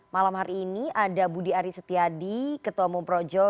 malam hari ini ada budi aris setiadi ketua umum projo